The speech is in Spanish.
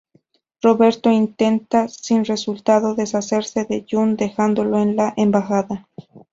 Roberto intenta sin resultado deshacerse de Jun dejándolo en la embajada.